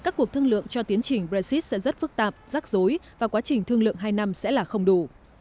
các cuộc thương lượng cho tiến trình brexit sẽ rất phức tạp rắc rối và quá trình thương lượng hai năm sẽ là không đủ